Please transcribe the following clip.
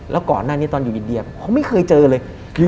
แล้วก่อนหน้านี้ตอนอยู่อินเดียเขาไม่เคยเจอเลย